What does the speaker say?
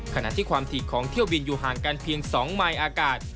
ขณะที่ความถี่ของเที่ยวบินอยู่ห่างกันเพียง๒มายอากาศ